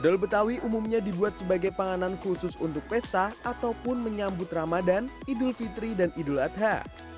dodol betawi umumnya dibuat sebagai panganan khusus untuk pesta ataupun menyambut ramadan idul fitri dan idul adha